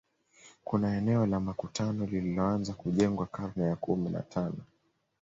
Kuna eneo la makutano lililoanza kujengwa karne ya kumi na tano